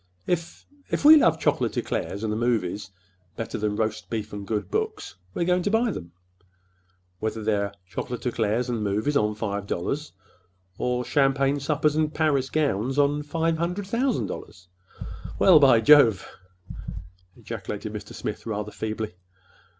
If—if we love chocolate eclairs and the movies better than roast beef and good books, we're going to buy them, whether they're chocolate eclairs and movies on five dollars, or or—champagne suppers and Paris gowns on five hundred thousand dollars!" "Well, by—by Jove!" ejaculated Mr. Smith, rather feebly.